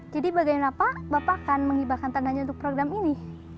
jadi bagaimana pak bapak akan menghibahkan tandanya untuk program ini